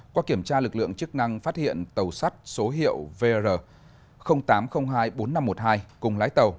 qua kiểm tra lực lượng chức năng phát hiện tàu sắt số hiệu vr tám triệu hai mươi bốn nghìn năm trăm một mươi hai cùng lái tàu